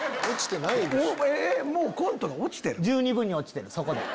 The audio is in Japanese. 十二分にオチてるそこで。